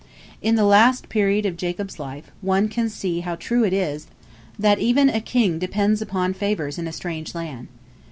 In the last period of Jacob's life, one can see how true it is that "even a king depends upon favors in a strange land."